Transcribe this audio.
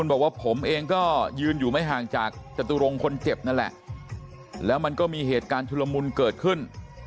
บอกว่าผมเองก็ยืนอยู่ไม่ห่างจากจตุรงค์คนเจ็บนั่นแหละแล้วมันก็มีเหตุการณ์ชุลมุนเกิดขึ้น